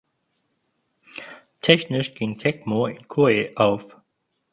Technisch ging Tecmo in Koei auf.